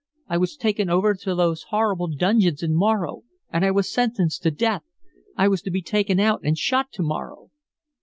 I was taken over to those horrible dungeons in Morro. And I was sentenced to death. I was to be taken out and shot to morrow."